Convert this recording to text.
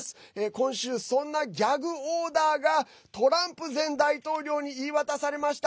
今週、そんなギャグオーダーがトランプ前大統領に言い渡されました。